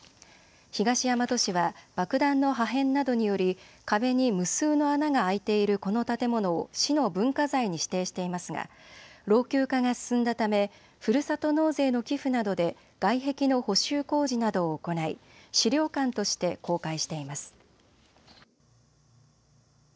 東大和市は爆弾の破片などにより壁に無数の穴が開いているこの建物を市の文化財に指定していますが、老朽化が進んだためふるさと納税の寄付などで外壁の補修工事などを行い資料館として公開しています。